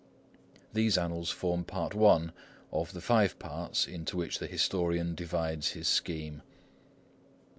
These annals form Part I of the five parts into which the historian divides his scheme.